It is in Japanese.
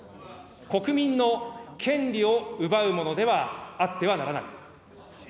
国民の権利を奪うものではあってはならない。